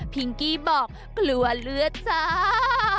กี้บอกกลัวเลือดจ้า